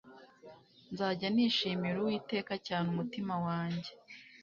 nzajya nishimira uwiteka cyane umutima wanjye